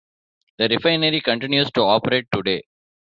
The refinery continues to operate today.